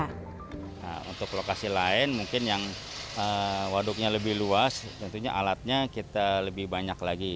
nah untuk lokasi lain mungkin yang waduknya lebih luas tentunya alatnya kita lebih banyak lagi